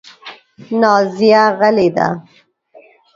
نازیه غلې ده .